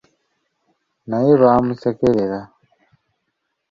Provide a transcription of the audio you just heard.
Naye baamusekerera.